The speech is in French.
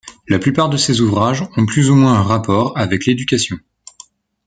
La plupart de ses ouvrages ont plus ou moins un rapport avec l'éducation.